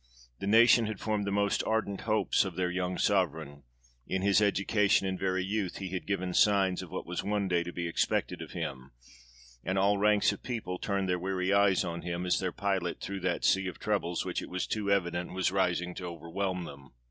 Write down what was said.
The nation had formed the most ardent hopes of their young Sovereign ; in his education and very youth he had given signs of what was one day to be expected of him ; and all ranks of people turned their weary eyes on him, as their pilot through that sea of troubles which it was too evident was rising to over whelm them.